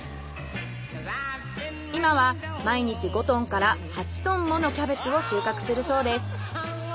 今は毎日５トンから８トンものキャベツを収穫するそうです。